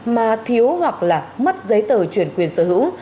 mà thiếu hoặc là mất giấy tờ chuyển quyền sở hữu